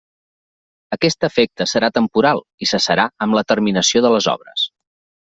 Aquest efecte serà temporal, i cessarà amb la terminació de les obres.